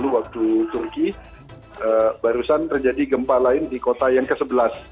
satu tiga puluh waktu turki barusan terjadi gempa lain di kota yang ke sebelas